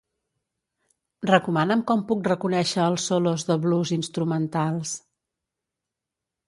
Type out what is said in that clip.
Recomana'm com puc reconéixer els solos de 'blues' instrumentals.